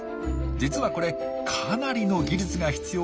実はこれかなりの技術が必要な技。